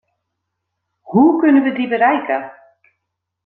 Hoe kunnen we die bereiken?